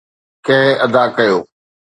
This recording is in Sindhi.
ڪنهن ادا ڪيو؟